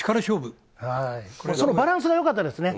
バランスがよかったですね。